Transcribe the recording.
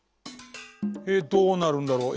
えっどうなるんだろう？